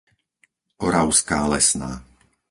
Oravská Lesná